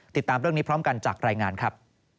ติดตามเรื่องนี้พร้อมกันจากรายงานครับ